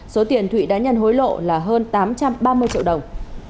số tiền thụy đã nhận hối lộ là hơn tám trăm ba mươi triệu đồng